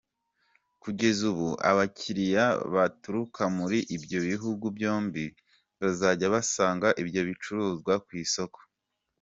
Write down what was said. Kugeza ubu, abakiliya baturuka muri ibyo bihugu byombi bazajya basanga ibyo bicuruzwa ku isoko.